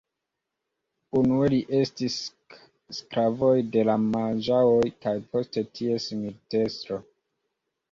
Unue li estis sklavoj de la majaoj kaj poste ties militestro.